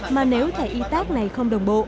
mà nếu thẻ y tác này không đồng bộ